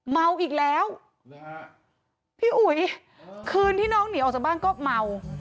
เมาอีกแล้วพี่อุ๋ยคืนที่น้องหนีออกจากบ้านก็เมา